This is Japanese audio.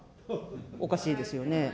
おかしいですよね。